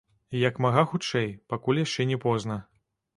І як мага хутчэй, пакуль яшчэ не позна.